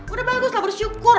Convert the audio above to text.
udah bagus lah bersyukur